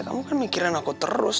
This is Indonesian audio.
kamu kan mikirin aku terus